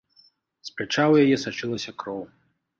З пляча ў яе сачылася кроў.